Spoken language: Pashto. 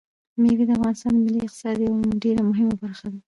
مېوې د افغانستان د ملي اقتصاد یوه ډېره مهمه برخه ده.